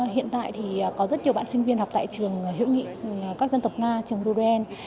hiện tại thì có rất nhiều bạn sinh viên học tại trường hiệu nghị các dân tộc nga trường duben